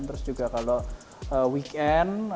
terus juga kalau weekend